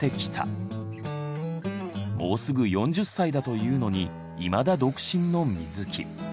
もうすぐ４０歳だというのに未だ独身の水木。